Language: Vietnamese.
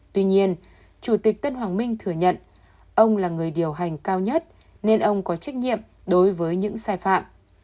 tuy nhiên chủ tịch tân hoàng minh thừa nhận ông là người điều hành cao nhất nên ông có trách nhiệm đối với những sai phạm